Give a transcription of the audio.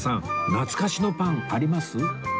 懐かしのパンあります？